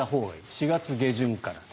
４月下旬から。